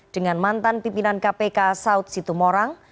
dengan mantan pimpinan kpk saud situmorang